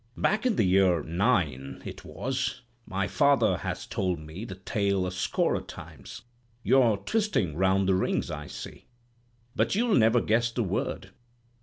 Back in the year 'nine, it was; my father has told me the tale a score o' times. You're twisting round the rings, I see. But you'll never guess the word.